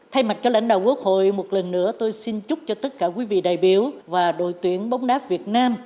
thay mặt cho lãnh đạo quốc hội một lần nữa tôi xin chúc cho tất cả quý vị đại biểu và đội tuyển bóng đá việt nam